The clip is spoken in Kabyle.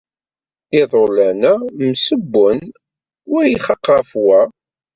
Iḍulan-a msewwen, wa ixaq ɣef-wa.